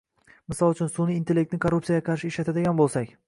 Misol uchun, sunʼiy intellektni korrupsiyaga qarshi ishlatadigan boʻlsak